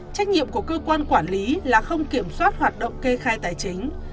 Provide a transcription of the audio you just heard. trách nhiệm của cơ quan quản lý là không kiểm soát hoạt động kê khai tài chính